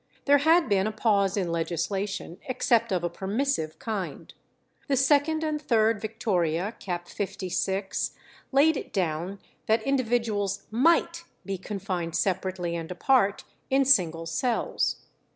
There had been a pause in legislation, except of a permissive kind. The 2nd and 3rd Victoria, cap. 56 (1839) laid it down that individuals might be confined separately and apart in single cells.